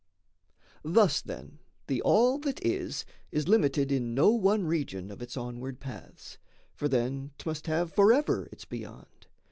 Thus, then, the All that is is limited In no one region of its onward paths, For then 'tmust have forever its beyond.